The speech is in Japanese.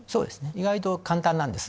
意外と簡単なんです。